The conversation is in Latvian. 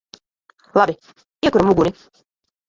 Labi. Iekuram uguni!